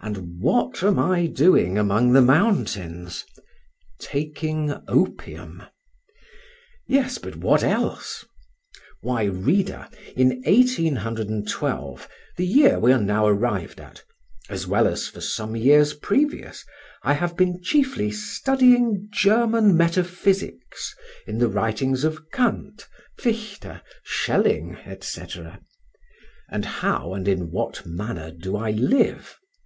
And what am I doing among the mountains? Taking opium. Yes; but what else? Why reader, in 1812, the year we are now arrived at, as well as for some years previous, I have been chiefly studying German metaphysics in the writings of Kant, Fichte, Schelling, &c. And how and in what manner do I live?